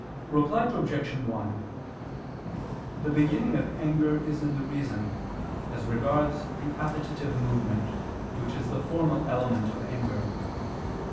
Reply Obj. 1: The beginning of anger is in the reason, as regards the appetitive movement, which is the formal element of anger.